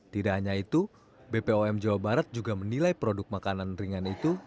tidak hanya itu bpom jawa barat juga menilai produk makanan ringan itu